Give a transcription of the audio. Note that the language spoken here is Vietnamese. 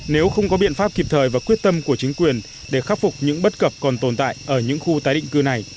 nếu không có biện pháp kịp thời và quyết tâm của chính quyền để khắc phục những bất cập còn tồn tại ở những khu tái định cư này